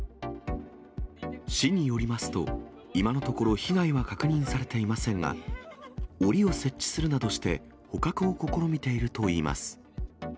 市によりますと、今のところ被害は確認されていませんが、おりを設置するなどして、捕獲を試みているといいます。